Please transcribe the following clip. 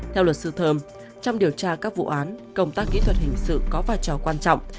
theo luật sư thơm trong điều tra các vụ án công tác kỹ thuật hình sự có vai trò quan trọng